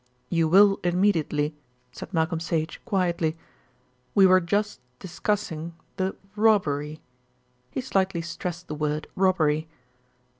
"You will immediately," said Malcolm Sage quietly. "We were just discussing the robbery." He slightly stressed the word "robbery."